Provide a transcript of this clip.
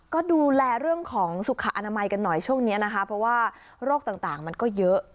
ก็ดูแลเรื่องของสุขอนามัยกันหน่อยช่วงนี้นะคะเพราะว่าโรคต่างมันก็เยอะ